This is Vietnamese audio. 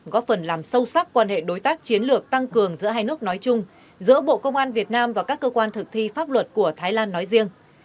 góp phần làm sâu sắc quan hệ đối tác chiến lược tăng cường giữa hai nước nói chung giữa bộ công an việt nam và các cơ quan thực thi pháp luật của thái lan nói riêng